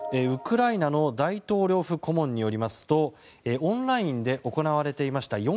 ウクライナの大統領府顧問によりますとオンラインで行われていました